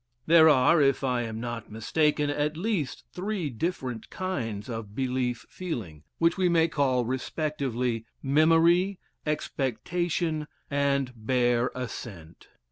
There are, if I am not mistaken, at least three different kinds of belief feeling, which we may call respectively memory, expectation and bare assent.